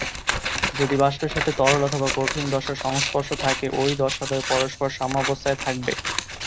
যদি বাষ্পের সাথে তরল অথবা কঠিন দশার সংস্পর্শ থাকে, ঐ দশাদ্বয় পরস্পর সাম্যাবস্থায় থাকবে।